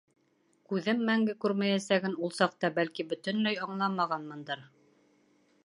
Күҙем мәңге күрмәйәсәген ул саҡта, бәлки, бөтөнләй аңламағанмындыр.